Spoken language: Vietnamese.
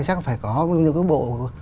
chắc phải có những bộ